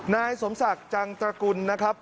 นายสมศักดิ์จังตระกุลนะครับ